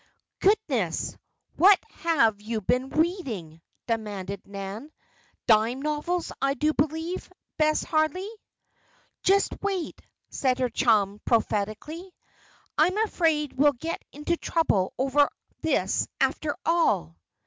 "Goodness! what have you been reading?" demanded Nan. "Dime novels, I do believe, Bess Harley!" "Just wait!" said her chum, prophetically. "I'm afraid we'll get into trouble over this after all."